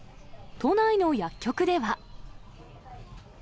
都内の薬局では。